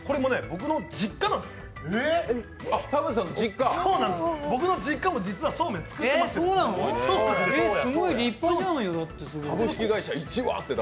僕の実家も実は、そうめんを作ってまして。